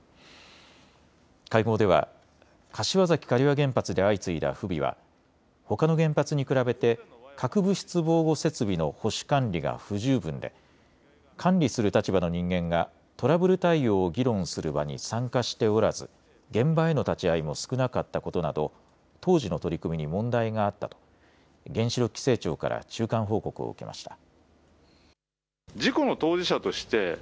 会合では柏崎刈羽原発で相次いだ不備はほかの原発に比べて核物質防護設備の保守管理が不十分で管理する立場の人間がトラブル対応を議論する場に参加しておらず現場への立ち会いも少なかったことなど当時の取り組みに問題があったと原子力規制庁から中間報告を受けました。